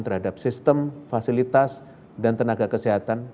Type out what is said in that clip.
terhadap sistem fasilitas dan tenaga kesehatan